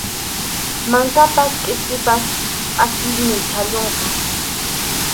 Mankapas qispipas pʼakiymi chhalluyqa.